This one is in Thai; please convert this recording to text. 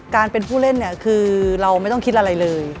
การเป็นผู้เล่นเนี่ยคือเราไม่ต้องคิดอะไรเลย